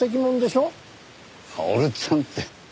「薫ちゃん」って。